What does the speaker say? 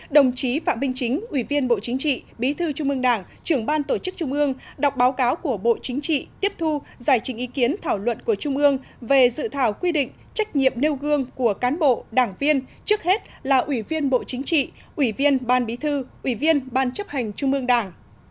đồng chí phạm minh chính ủy viên bộ chính trị bí thư trung ương đảng trưởng ban tổ chức trung ương đọc báo cáo của bộ chính trị tiếp thu giải trình ý kiến thảo luận của trung ương về dự thảo quy định trách nhiệm nêu gương của cán bộ đảng viên trước hết là ủy viên bộ chính trị ủy viên ban bí thư ủy viên ban chấp hành trung ương đảng